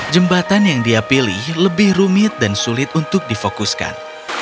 jembatan yang dia pilih lebih rumit dan sulit untuk difokuskan